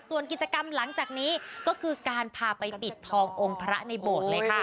ส่วนกิจกรรมหลังจากนี้ก็คือการพาไปปิดทององค์พระในโบสถ์เลยค่ะ